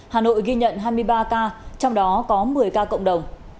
hà nội ghi nhận hai mươi ba ca trong đó có một mươi ca cộng đồng